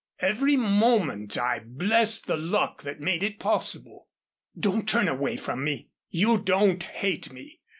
Every moment I've blessed the luck that made it possible. Don't turn away from me. You don't hate me.